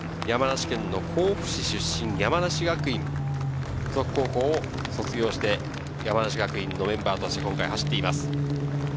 山梨県甲府市出身、山梨学院付属高校を卒業して山梨学院のメンバーとして今回走っています。